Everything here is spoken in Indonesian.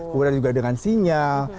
kemudian juga dengan sinyal